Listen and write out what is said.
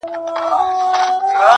سیاه پوسي ده، اوښکي نڅېږي.